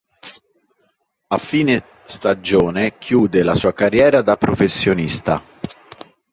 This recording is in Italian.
A fine stagione chiude la sua carriera da professionista.